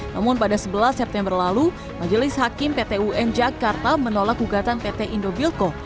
namun pada sebelas september lalu majelis hakim pt un jakarta menolak gugatan pt indobilco